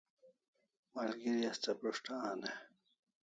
Malgeri asta prus't an e?